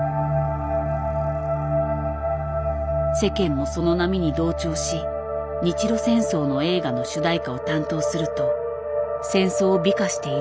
世間もその波に同調し日露戦争の映画の主題歌を担当すると戦争を美化していると罵られた。